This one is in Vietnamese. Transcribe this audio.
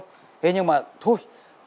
thế nhưng mà thôi